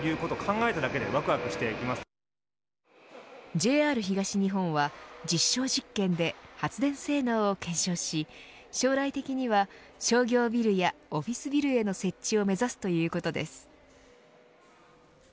ＪＲ東日本は実証実験で発電性能を検証し将来的には商業ビルやオフィスビルへの設置を目指すということです。